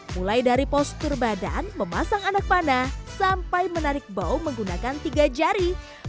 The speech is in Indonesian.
mulai dari postur badan memasang anak panah sampai menarik bau menggunakan tiga jari